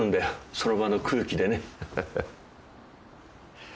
その場の空気でね。